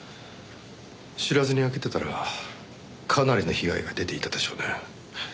知らずに開けてたらかなりの被害が出ていたでしょうね。